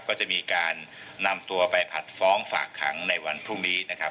ก็จะมีการนำตัวไปผัดฟ้องฝากขังในวันพรุ่งนี้นะครับ